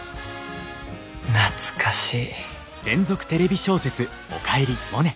懐かしい。